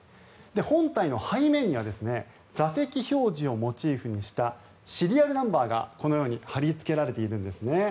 本体の背面には座席表示をモチーフにしたシリアルナンバーが、このように貼りつけられているんですね。